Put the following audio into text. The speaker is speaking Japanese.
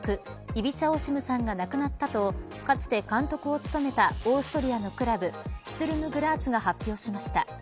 イビチャ・オシムさんが亡くなったとかつて監督を務めたオーストリアのクラブシュトゥルム・グラーツが発表しました。